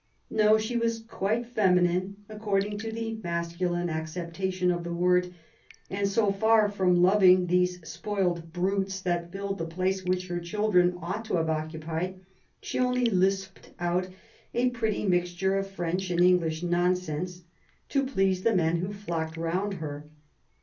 No, she was quite feminine according to the masculine ac> ceptation of the word ; and so far from loving these spoiled brutes that filled the place which her children ought to have occupied, she only lisped out a pretty mixture of French and English nonsense,, to please the men who flocked round her.